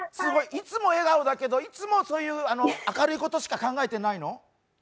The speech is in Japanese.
いつも笑顔だけど、いつも明るいことしか考えてないの？